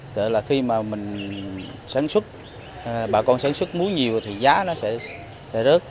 sợ là khi mà mình sản xuất bà con sản xuất muối nhiều thì giá nó sẽ rớt